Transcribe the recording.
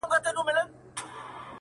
زاړه خلک چوپتيا خوښوي ډېر,